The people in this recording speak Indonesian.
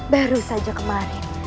baru saja kemarin